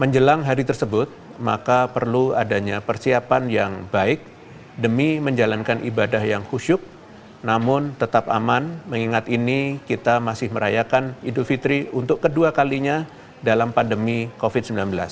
menjelang hari tersebut maka perlu adanya persiapan yang baik demi menjalankan ibadah yang khusyuk namun tetap aman mengingat ini kita masih merayakan idul fitri untuk kedua kalinya dalam pandemi covid sembilan belas